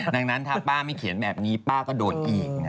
ดังนั้นถ้าป้าไม่เขียนแบบนี้ป้าก็โดนอีก